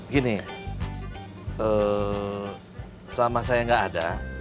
gini selama saya nggak ada